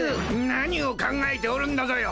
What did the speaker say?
何を考えておるんだぞよ。